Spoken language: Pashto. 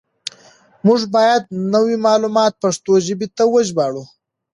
موږ بايد نوي معلومات پښتو ژبې ته وژباړو.